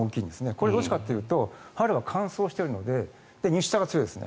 これはどうしてかというと春は乾燥してるのでそれで、日射が強いです。